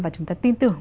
và chúng ta tin tưởng